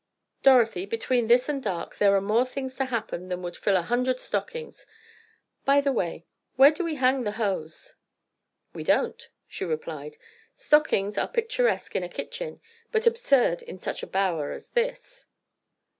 "Dorothy, between this and dark, there are more things to happen than would fill a hundred stockings. By the way, where do we hang the hose?" "We don't," she replied. "Stockings are picturesque in a kitchen, but absurd in such a bower as this."